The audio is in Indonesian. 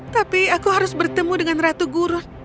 tapi aku harus bertemu dengan ratu gurun